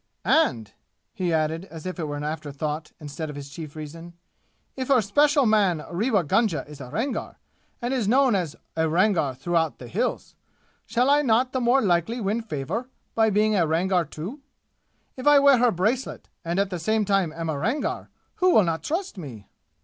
"And," he added, as if it were an afterthought, instead of his chief reason, "if her special man Rewa Gunga is a Rangar, and is known as a Rangar through out the 'Hills,' shall I not the more likely win favor by being a Rangar too? If I wear her bracelet and at the same time am a Rangar, who will not trust me?"